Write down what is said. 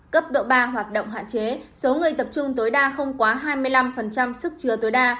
cấp độ ba hoạt động hạn chế số người tập trung tối đa không quá hai mươi năm sức chứa tối đa